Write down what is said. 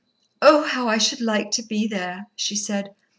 "Oh, how I should like to be there!" she said.